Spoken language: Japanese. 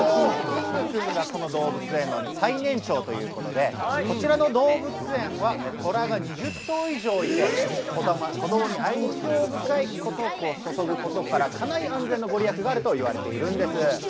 キング君がこの動物園の最年長ということでこちらの動物園はトラが２０頭以上いて子どもに愛情を注ぐことから家内安全の御利益があると言われているんです。